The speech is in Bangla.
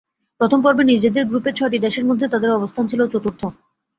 প্রথম পর্বে নিজেদের গ্রুপে ছয়টি দেশের মধ্যে তাদের অবস্থান ছিল চতুর্থ।